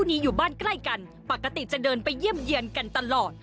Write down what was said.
นี้อยู่บ้านใกล้กันปกติจะเดินไปเยี่ยมเยี่ยนกันตลอด